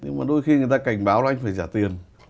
nhưng mà đôi khi người ta cảnh báo là anh phải trả tiền